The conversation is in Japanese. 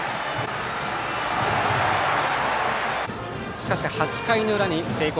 しかし、８回の裏に聖光